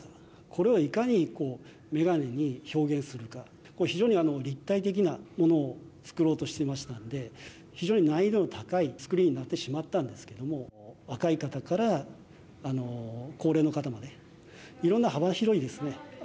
これをいかに眼鏡に表現するか非常に立体的なものを作ろうとしていましたので非常に難易度の高い作りになってしまったんですけれども若い方から高齢の方までいろんな幅広いですね